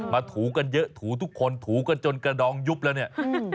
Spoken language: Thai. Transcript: ถูกันเยอะถูกทุกคนถูกันจนกระดองยุบแล้วเนี่ย